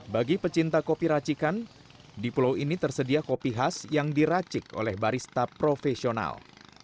bagi pecinta kopi racikan di pulau ini tersedia kopi khas yang diracik oleh barista profesional